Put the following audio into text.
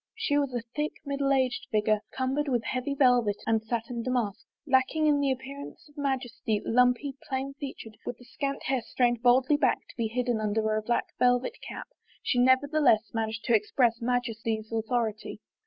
She was a thick, middle aged figure, cumbered with heavy velvet and satin damask. Lacking in the appear ance of majesty, lumpy, plain featured, with the scant hair strained baldly back to be hidden under a black vel vet cap, she nevertheless managed to express majesty's authority.